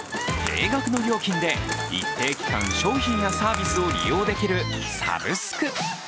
定額の料金で一定期間、商品やサービスを利用できるサブスク。